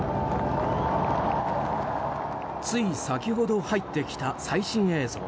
つい先ほど入ってきた最新映像。